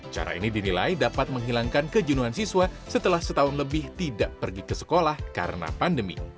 cara ini dinilai dapat menghilangkan kejenuhan siswa setelah setahun lebih tidak pergi ke sekolah karena pandemi